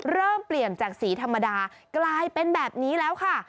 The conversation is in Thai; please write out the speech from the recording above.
เริ่มเปลี่ยนจากสีธรรมดากลายเป็นแบบนี้แล้วค่ะ